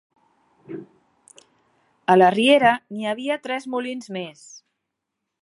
A la riera n'hi havia tres molins més.